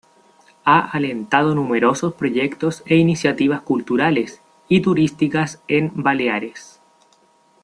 Ha alentado numerosos proyectos e iniciativas culturales y turísticas en Baleares.